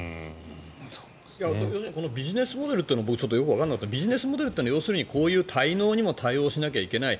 要するにこのビジネスモデルというのがちょっとわからなかったんだけどビジネスモデルというのは要するにこういう滞納にも対応しないといけない。